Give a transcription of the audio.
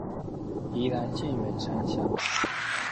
宜蘭縣員山鄉